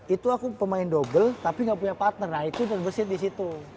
itu aku pemain dobel tapi gak punya partner nah itu terbersih disitu